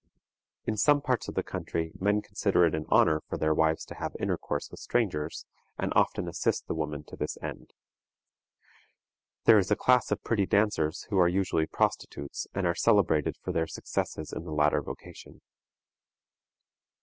In some parts of the country men consider it an honor for their wives to have intercourse with strangers, and often assist the woman to this end. There is a class of pretty dancers who are usually prostitutes, and are celebrated for their successes in the latter vocation.